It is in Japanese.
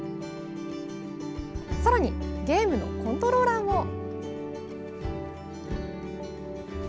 さらにゲームのコントローラーも。